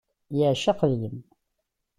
Yeεceq deg-m.